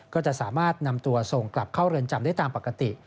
ก็จะสามารถนำตัวส่งกลับเข้าเรือนจำได้ตามปกติ